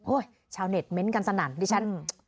ชาวเน็ตเม้นต์กันสนั่นดิฉัน